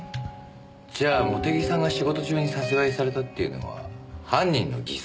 じゃあ茂手木さんが仕事中に殺害されたっていうのは犯人の偽装？